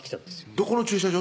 どこの駐車場？